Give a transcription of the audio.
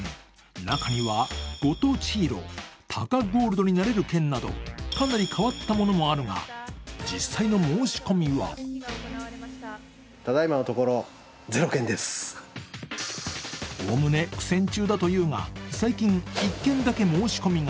中には御当地ヒーロー、タカゴールドになれる権などかなり変わったものもあるが実際の申し込みはおおむね苦戦中だというが、最近１件だけ申し込みが。